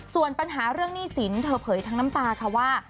ส่วนปัญหาเรื่องหนี้สินเธอเผยทั้งน้ำตาค่ะว่า